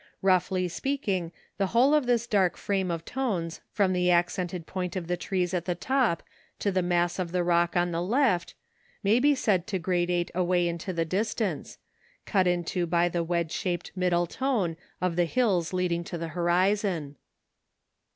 Roughly speaking the whole of this dark frame of tones from the accented point of the trees at the top to the mass of the rock on the left, may be said to gradate away into the distance; cut into by the wedge shaped middle tone of the hills leading to the horizon.